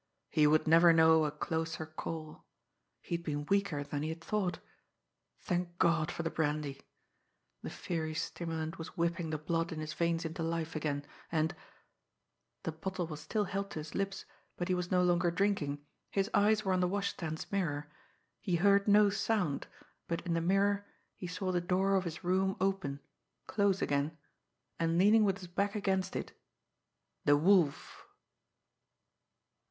He would never know a closer call! He had been weaker than he had thought! Thank God for the brandy! The fiery stimulant was whipping the blood in his veins into life again, and the bottle was still held to his lips, but he was no longer drinking. His eyes were on the washstand's mirror. He heard no sound, but in the mirror he saw the door of his room open, close again, and, leaning with his back against it _the Wolf!